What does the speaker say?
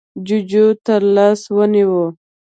جُوجُو تر لاس ونيو: